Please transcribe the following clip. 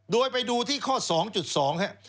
โดยไปดูที่ข้อ๒๒ครับ